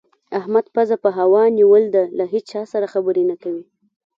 احمد پزه په هوا نيول ده؛ له هيچا سره خبرې نه کوي.